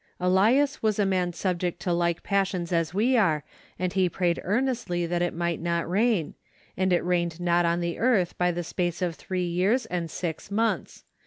" Elias was a man subject to like passions as we are, and he prayed earnestly that it might not rain : and it rained not on the earth by the space of three years and six months.